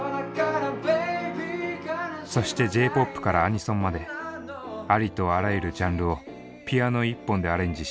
そしてＪーＰＯＰからアニソンまでありとあらゆるジャンルをピアノ１本でアレンジしカバー。